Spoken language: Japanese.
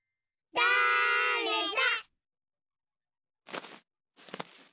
だれだ？